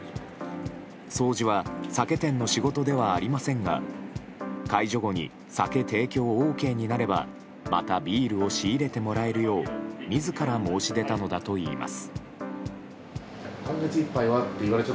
掃除は酒店の仕事ではありませんが解除後に酒提供ＯＫになればまたビールを仕入れてもらえるよう自ら申し出たのだといいます。